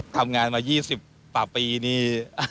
ทำงานมา๒๐ประปีนี้